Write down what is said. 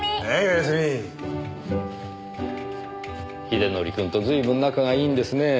英則くんとずいぶん仲がいいんですねえ。